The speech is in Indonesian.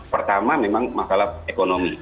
pertama memang masalah ekonomi